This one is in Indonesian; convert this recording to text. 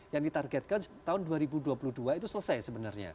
yang ditargetkan tahun dua ribu dua puluh dua itu selesai sebenarnya